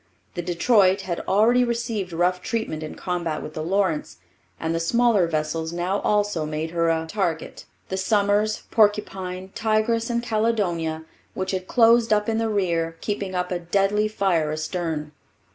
The Detroit had already received rough treatment in combat with the Lawrence; and the smaller vessels now also made her a target, the Somers, Porcupine, Tigress, and Caledonia, which had closed up in the rear, keeping up a deadly fire astern.